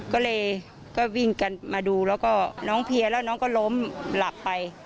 ก็เลยก็วิ่งกันมาดูแล้วก็น้องเพียแล้วน้องก็ล้มหลับไป